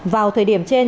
vào thời điểm trên